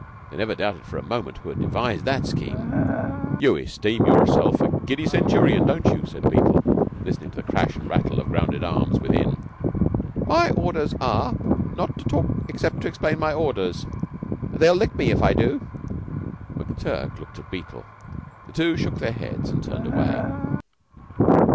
They never doubted for a moment who had devised that scheme. "You esteem yourself a giddy centurion, don't you?" said Beetle, listening to the crash and rattle of grounded arms within. "My orders are, not to talk except to explain my orders they'll lick me if I do." McTurk looked at Beetle. The two shook their heads and turned away.